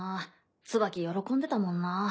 ツバキ喜んでたもんな。